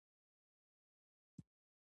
کاناډا د سپورت اقتصاد لري.